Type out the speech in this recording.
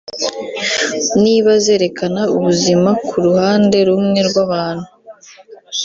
niba zerekana ubuzima ku ruhande rumwe rw’abantu